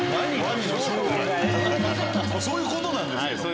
そういうことなんですけど。